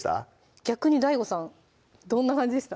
逆にＤＡＩＧＯさんどんな感じでした？